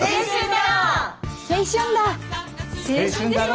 青春だろ！